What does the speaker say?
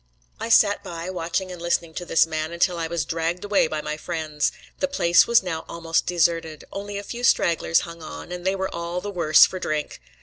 I sat by, watching and listening to this man until I was dragged away by my friends. The place was now almost deserted; only a few stragglers hung on, and they were all the, worse for drink.